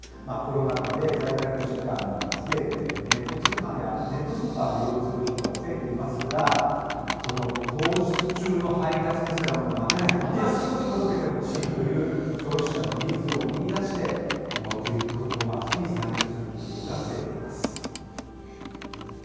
コロナ禍で在宅時間が増えて、ネット通販やネットスーパーを利用する人が増えていますが、当日中の配達ですら待てない、今すぐ届けてほしいという消費者のニーズを見いだして、このクイックコマースに参入する企業が増えています。